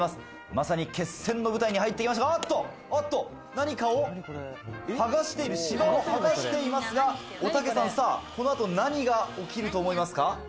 まさに決戦の舞台に入って行きましたが、何かを剥がして、芝を剥がしていますが、おたけさん、さぁ、この後何が起きると思いますか？